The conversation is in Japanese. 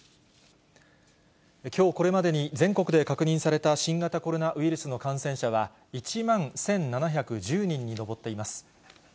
きょうこれまでに全国で確認された新型コロナウイルスの感染者は、１万１７１０人に上っています。